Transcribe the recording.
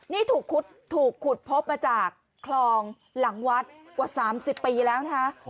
นี่ถูกขุดพบมาจากคลองหลังวัดกว่า๓๐ปีแล้วนะคะ